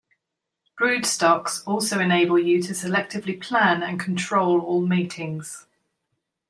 Broodstocks also enable you to selectively plan and control all matings.